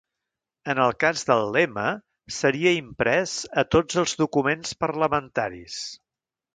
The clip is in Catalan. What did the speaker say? En el cas del lema, seria imprès a tots els documents parlamentaris.